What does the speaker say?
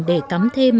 để cắm thêm